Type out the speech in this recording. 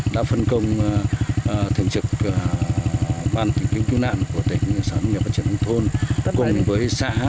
đã phân công thường trực ban chỉ huy phòng chống thiên tai tìm kiếm cứu nạn tỉnh yên bái